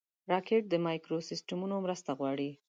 راکټ د مایکروسیسټمونو مرسته غواړي